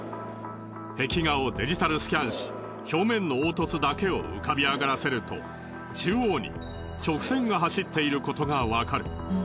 壁画をデジタルスキャンし表面の凹凸だけを浮かび上がらせると中央に直線が走っていることがわかる。